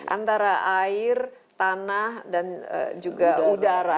antara air tanah dan juga udara